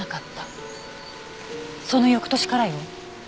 その翌年からよ。